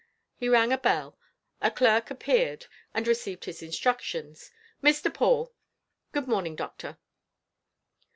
He rang a bell; a clerk appeared, and received his instructions: "Mr. Paul. Good morning, doctor."